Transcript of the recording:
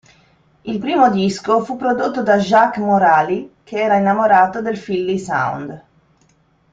Il primo disco fu prodotto da Jacques Morali, che era "innamorato" del Philly Sound.